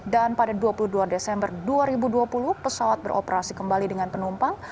dan pada dua puluh dua desember dua ribu dua puluh pesawat beroperasi kembali dengan penumpang